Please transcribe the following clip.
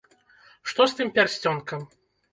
Што з тым пярсцёнкам?